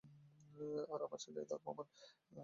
আমার ছেলে তার প্রমাণ।